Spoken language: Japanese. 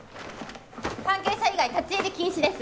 ・関係者以外立ち入り禁止です。